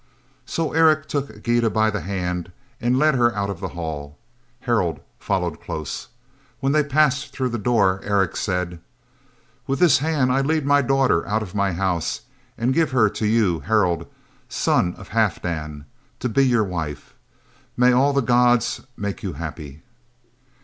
So Eric took Gyda by the hand and led her out of the hall. Harald followed close. When they passed through the door Eric said: "With this hand I lead my daughter out of my house and give her to you, Harald, son of Halfdan, to be your wife. May all the gods make you happy!"